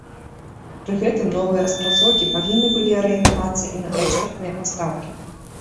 Пры гэтым новыя распрацоўкі павінны былі арыентавацца і на экспартныя пастаўкі.